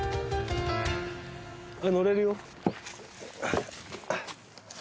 乗れるよ。